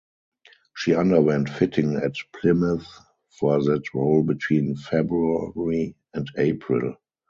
She underwent fitting at Plymouth for that role between February and April.